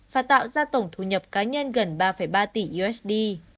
và tạo ra tổng thu nhập cá nhân gần ba ba tỷ usd